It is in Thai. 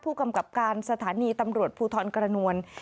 ผู้กำกับการสถานีตำรวจภูทรกระนวล